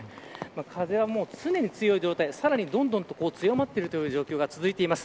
風はもう、常に強い状態でさらにどんどん強まっている状況が続いています。